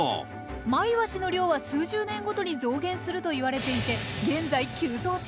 マイワシの量は数十年ごとに増減するといわれていて現在急増中。